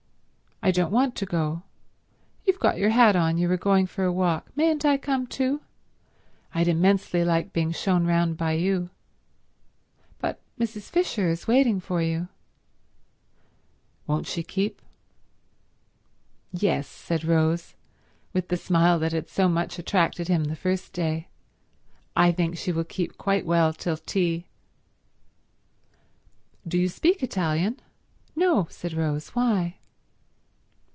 "I don't want to go. You've got your hat on, so you were going for a walk. Mayn't I come too? I'd immensely like being shown round by you." "But Mrs. Fisher is waiting for you." "Won't she keep?" "Yes," said Rose, with the smile that had so much attracted him the first day. "I think she will keep quite well till tea." "Do you speak Italian?" "No," said Rose. "Why?"